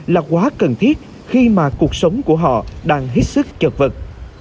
là quá cần thiết khi mà cuộc sống của họ đang hết sức chật vật